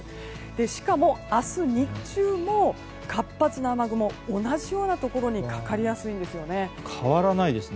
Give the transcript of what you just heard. しかも明日日中も活発な雨雲が同じようなところにかかりやすいんですよね。